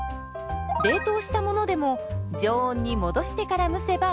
冷凍したものでも常温に戻してから蒸せばＯＫ。